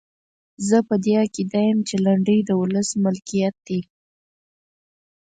زه په دې عقیده یم چې لنډۍ د ولس ملکیت دی.